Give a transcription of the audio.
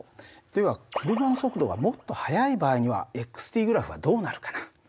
では車の速度がもっと速い場合には−ｔグラフはどうなるかな？